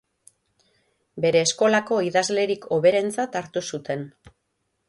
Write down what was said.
Bere eskolako idazlerik hoberentzat hartu zuten.